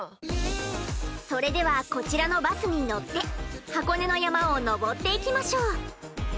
それではこちらのバスに乗って箱根の山を登っていきましょう。